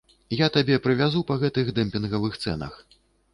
Я табе прывязу па гэтых дэмпінгавых цэнах.